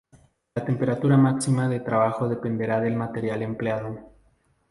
La temperatura máxima de trabajo dependerá del material empleado.